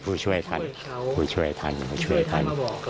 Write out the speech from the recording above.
หรือว่าพระอุทธินพลังให้ช่วยท่านบอก